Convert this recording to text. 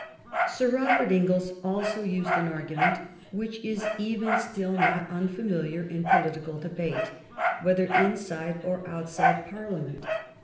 Sir Robert Inglis also used an argument which is even still not unfamiliar in political debate, whether inside or outside Parliament.